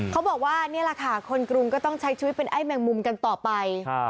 เขาบอกว่านี่แหละค่ะคนกรุงก็ต้องใช้ชีวิตเป็นไอ้แมงมุมกันต่อไป